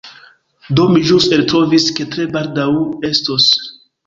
Do mi ĵus eltrovis ke tre baldaŭ estos